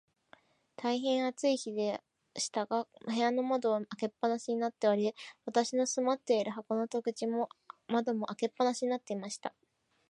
大へん暑い日でしたが、部屋の窓は開け放しになっており、私の住まっている箱の戸口も窓も、開け放しになっていました。